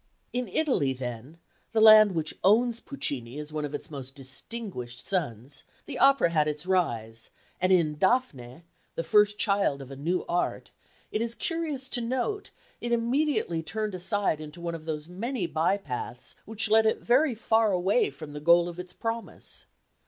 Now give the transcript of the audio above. In Italy then, the land which owns Puccini as one of its most distinguished sons, the opera had its rise; and in Dafne, the first child of a new art, it is curious to note, it immediately turned aside into one of those many by paths which led it very far away from the goal of its promise.